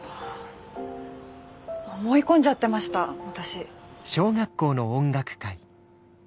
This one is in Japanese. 思い込んじゃってました私。